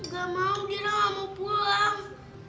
gak mau gira gak mau pulang